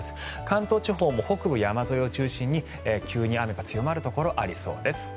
関東地方も北部山沿いを中心に急に雨が強まるところがありそうです。